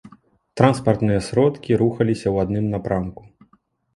Транспартныя сродкі рухаліся ў адным напрамку.